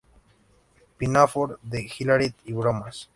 Pinafore" de hilaridad y bromas.